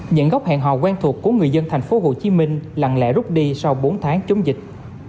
những gốc hẹn hò quen thuộc của người dân tp hcm lặng lẽ rút đi sau bốn tháng chống dịch